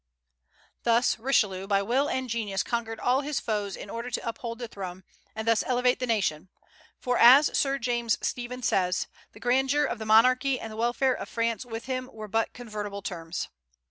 Thus Richelieu, by will and genius, conquered all his foes in order to uphold the throne, and thus elevate the nation; for, as Sir James Stephen says, "the grandeur of the monarchy and the welfare of France with him were but convertible terms."